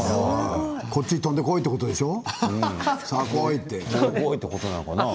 こっちに飛んでこいということでしょう。